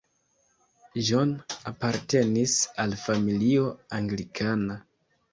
John apartenis al familio anglikana.